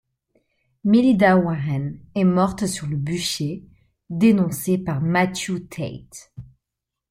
Melinda Warren est morte sur le bûcher, dénoncée par Matthew Tate.